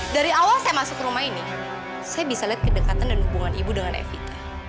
dari awal saya masuk rumah ini saya bisa lihat kedekatan dan hubungan ibu dengan evita